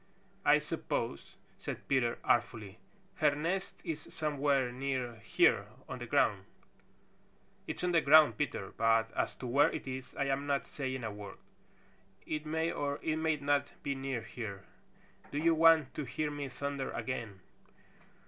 "I suppose," said Peter artfully, "her nest is somewhere near here on the ground." "It's on the ground, Peter, but as to where it is I am not saying a word. It may or it may not be near here. Do you want to hear me thunder again?"